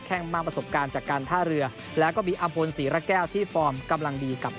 แค่งมากประสบการณ์จากการท่าเรือแล้วก็มีอำพลศรีระแก้วที่ฟอร์มกำลังดีกับ